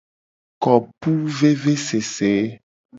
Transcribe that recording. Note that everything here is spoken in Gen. Kopuvevesese.